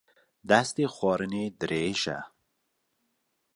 Destê xwarinê dirêj e